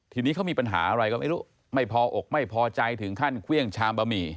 ทีนี้เขามีปัญหาอะไรก็ไม่รู้ไม่พออกไม่พอใจถึงขั้นเครื่องชามบะหมี่